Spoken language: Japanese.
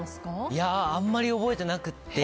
いや、あまり覚えてなくて。